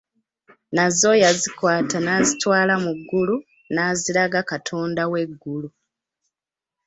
Nazo yazikwata n'azitwala mu ggulu n'aziraga katonda w'eggulu.